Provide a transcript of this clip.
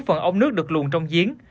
các phần ống nước được luồn trong diến